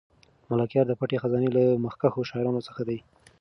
ملکیار د پټې خزانې له مخکښو شاعرانو څخه دی.